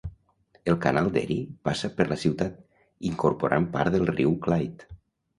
El canal d'Erie passa per la ciutat, incorporant part del riu Clyde.